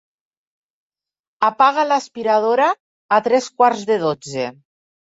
Apaga l'aspiradora a tres quarts de dotze.